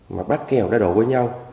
mà bắt kèo đã đổ với nhau